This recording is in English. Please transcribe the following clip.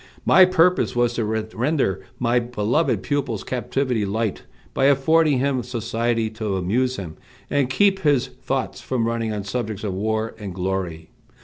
My purpose was to render my beloved pupil's captivity light, by affording him society to amuse him, and keep his thoughts from running on subjects of war and glory.